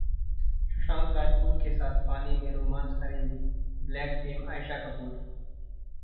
सुशांत राजपूत के साथ 'पानी' में रोमांस करेंगी 'ब्लैक' फेम आएशा कपूर